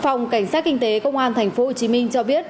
phòng cảnh sát kinh tế công an tp hcm cho biết